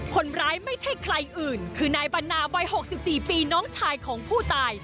ไม่ใช่ใครอื่นคือนายบรรณาวัย๖๔ปีน้องชายของผู้ตาย